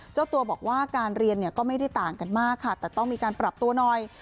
เจ้าตัวบอกว่าการเรียนเนี่ยก็ไม่ได้ต่างกันมากค่ะแต่ต้องมีการปรับตัวหน่อย